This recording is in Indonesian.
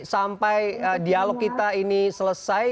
sampai dialog kita ini selesai